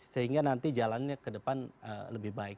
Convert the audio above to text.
sehingga nanti jalannya ke depan lebih baik